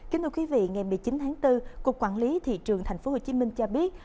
kính thưa quý vị ngày một mươi chín tháng bốn cục quản lý thị trường tp hcm cho biết